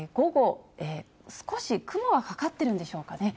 少し雲がかかってるんでしょうかね。